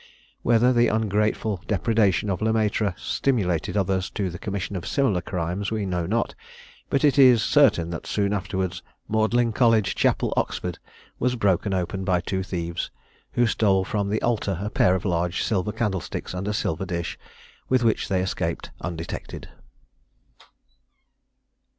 Whether the ungrateful depredation of Le Maitre stimulated others to the commission of similar crimes we know not, but it is certain that soon afterwards Magdalen College Chapel, Oxford, was broken open by two thieves, who stole from the altar a pair of large silver candlesticks and a silver dish, with which they escaped undetected.